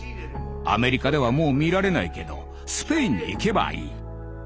アメリカではもう見られないけどスペインに行けばいい。